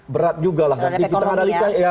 berat juga lah nanti kita analikan